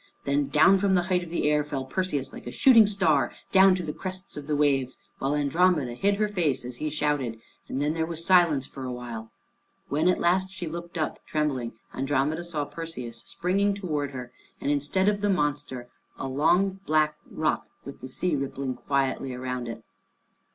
Then down from the height of the air fell Perseus like a shooting star, down to the crests of the waves, while Andromeda hid her face as he shouted, and then there was silence for a while. When at last she looked up trembling, Andromeda saw Perseus springing towards her, and instead of the monster, a long black rock, with the sea rippling quietly round it.